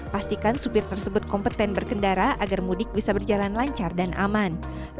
pastikan supir tersebut kompeten berkendara agar mudik bisa berjalan lancar dan aman